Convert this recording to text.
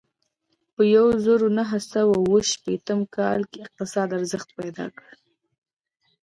په یوه زرو نهه سوه اوه شپېتم کال کې یې اقتصاد ارزښت پیدا کړ.